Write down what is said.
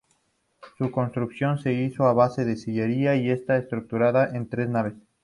Su construcción se hizo a base de sillería y está estructurada en tres naves.